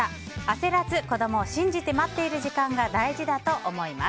焦らず子供を信じて待っている時間が大事だと思います。